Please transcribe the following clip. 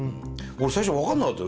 俺最初分かんなかったよ